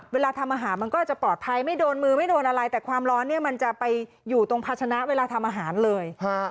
เวลาทำอาหารมันก็จะปลอดภัยไม่โดนมือไม่โดนอะไรแต่ความร้อนเนี่ยมันจะไปอยู่ตรงภาชนะเวลาทำอาหารเลย